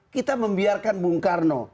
kita membiarkan bung karno